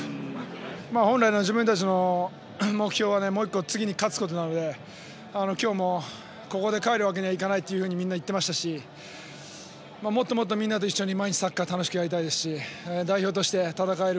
本来の自分たちの目標はもう１個次に勝つことなので今日もここで帰るわけにはいかないというふうにみんな言ってましたしもっともっとみんなと一緒に毎日サッカーを楽しくやりたいですし代表として戦える